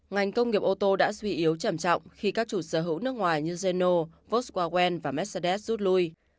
ngành công nghiệp ô tô đã suy yếu chẩm trọng khi các chủ sở hữu nước ngoài như renault volkswagen và mercedes rút lui